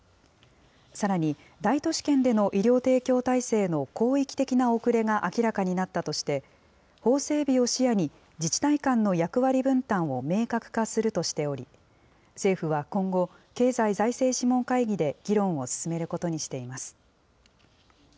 さらに、大都市圏での医療提供体制の広域的な遅れが明らかになったとして、法整備を視野に、自治体間の役割分担を明確化するとしており、政府は今後、経済財政諮問会議で議論を進めることにしています。